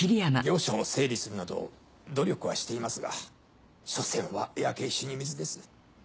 業者を整理するなど努力はしていますが所詮は焼け石に水です。